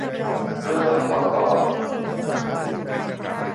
เครื่องหมายวรรคตอน